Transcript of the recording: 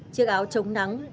chiếc áo trông nắng